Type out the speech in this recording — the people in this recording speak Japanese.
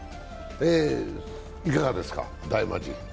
いかがですか、大魔神？